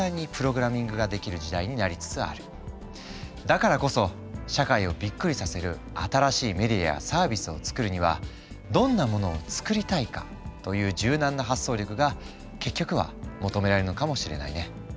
だからこそ社会をびっくりさせる新しいメディアやサービスを作るにはどんなものを作りたいかという柔軟な発想力が結局は求められるのかもしれないね。